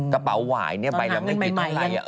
กระเป๋าหวายนี่ใบลำไม่มีอะไร